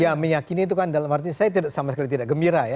ya meyakini itu kan dalam arti saya sama sekali tidak gembira ya